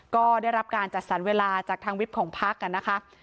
ก็ได้รับการจัดสรรเวลาจากทางวิบของพักนะคะ